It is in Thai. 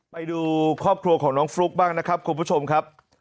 ไปดูครอบครัวของน้องฟลุ๊กบ้างนะครับคุณผู้ชมครับ